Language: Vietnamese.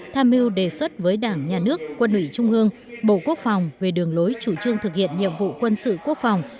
tham mưu đề xuất với đảng nhà nước quân ủy trung ương bộ quốc phòng về đường lối chủ trương thực hiện nhiệm vụ quân sự quốc phòng